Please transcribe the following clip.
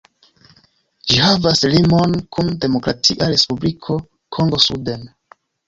Ĝi havas limon kun Demokratia Respubliko Kongo suden.